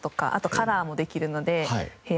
カラーもできるの？